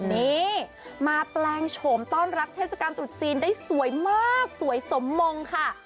นี่มาแปลงโฉมต้อนรับเทศกาลตรุษจีนได้สวยมากสวยสมมงค่ะ